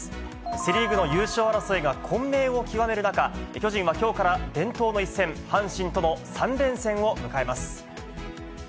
セ・リーグの優勝争いが混迷を極める中、巨人はきょうから伝統の一戦、阪神との３連戦を迎えます。